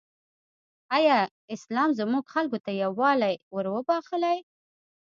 ایا اسلام زموږ خلکو ته یووالی وروباخښلی؟